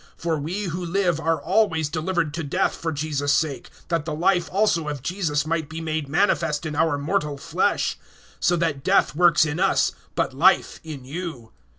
(11)For we who live are always delivered to death for Jesus' sake, that the life also of Jesus might be made manifest in our mortal flesh. (12)So that death works in us, but life in you.